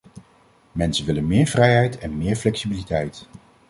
Mensen willen meer vrijheid en meer flexibiliteit.